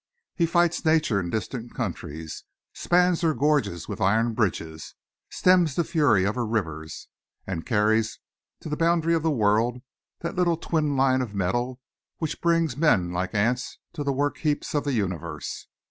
He fights nature in distant countries, spans her gorges with iron bridges, stems the fury of her rivers, and carries to the boundary of the world that little twin line of metal which brings men like ants to the work heaps of the universe.